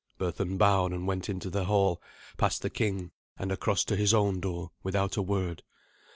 Berthun bowed and went into the hail, past the king, and across to his own door, without a word.